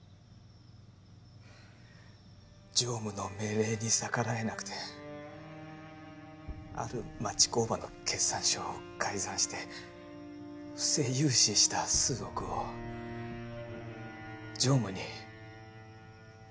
常務の命令に逆らえなくてある町工場の決算書を改ざんして不正融資した数億を常務に還流させてました。